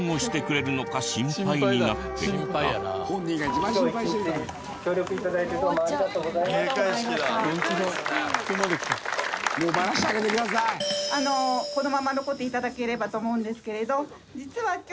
このまま残って頂ければと思うんですけれど。